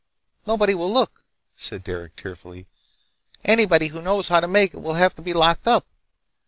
"Nobody will look," said Derec tearfully. "Anybody who knows how to make it will have to be locked up.